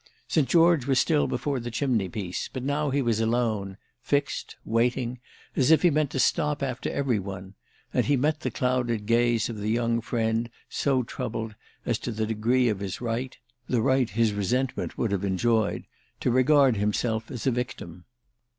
St. George was still before the chimney piece, but now he was alone—fixed, waiting, as if he meant to stop after every one—and he met the clouded gaze of the young friend so troubled as to the degree of his right (the right his resentment would have enjoyed) to regard himself as a victim.